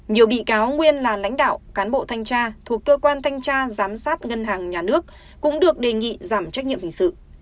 nhiều bị cáo nguyên là lãnh đạo cán bộ thanh tra thuộc cơ quan thanh tra giám sát ngân hàng nhà nước cũng được đề nghị giảm trách nhiệm hình sự